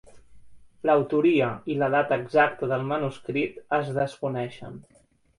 L'autoria i la data exacta del manuscrit es desconeixen.